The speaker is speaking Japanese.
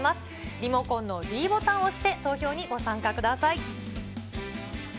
リモコンのｄボタンを押して投票にご参加ください。